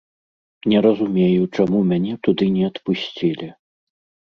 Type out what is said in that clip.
Не разумею, чаму мяне туды не адпусцілі.